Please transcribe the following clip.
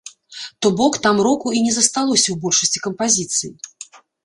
То бок там року і не засталося ў большасці кампазіцый.